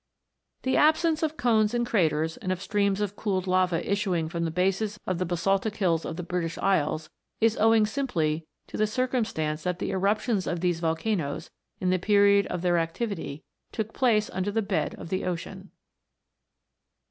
The absence of cones and craters, and of streams of cooled lava issuing from the bases of the basaltic hills of the British Isles, is owing simply to the circumstance that the eruptions of these volcanoes, in the period of their activity, took place under the bed of the ocean.